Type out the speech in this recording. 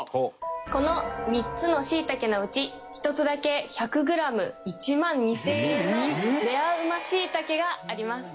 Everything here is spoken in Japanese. この３つのシイタケのうち１つだけ１００グラム１万２０００円のレアうまシイタケがあります。